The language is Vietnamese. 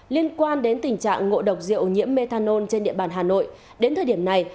liên quan đến tình trạng ngộ độc rượu nhiễm methanol trên địa bàn hà nội đến thời điểm này